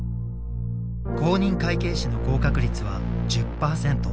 公認会計士の合格率は１０％。